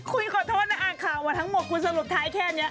ขอโทษนะอ่านข่าวมาทั้งหมดคุณสรุปท้ายแค่นี้